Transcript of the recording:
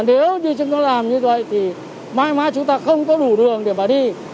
nếu như chúng ta làm như vậy thì mai mai chúng ta không có đủ đường để mà đi